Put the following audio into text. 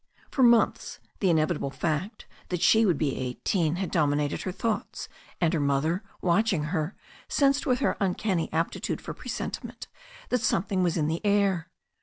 For months the inevitable fact that she would be eighteen had dominated her thoughts, and her mother, watching her, sensed with her uncanny aptitude for presentiment that something was in the air.